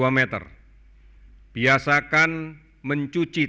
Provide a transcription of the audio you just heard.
dan kami meminta bapak ibu dan bapak ibu